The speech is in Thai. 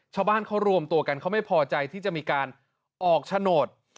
ชาวบ้านเขารวมตัวกันเขาไม่พอใจที่จะมีการออกโฉนด